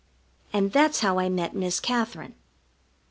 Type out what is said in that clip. And that's how I met Miss Katherine.